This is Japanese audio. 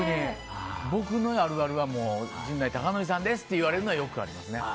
僕のあるあるは陣内孝則さんですって言われるのはよくありますね。